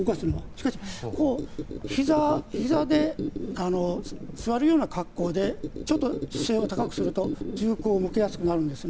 しかし、ひざで座るような格好でちょっと姿勢を高くすると銃口を向けやすくなるんです。